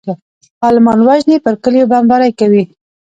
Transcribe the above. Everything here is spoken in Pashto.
عالمان وژني پر کليو بمبارۍ کوي.